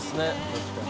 確かに。